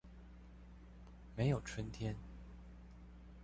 沒有春天